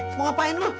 eh mau ngapain lu